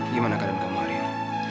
gimana keadaan kamu arief